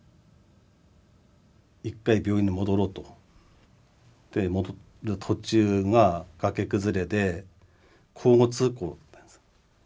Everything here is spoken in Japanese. いっぺん病院に戻ろうとで戻る途中が崖崩れで交互通行だったんです。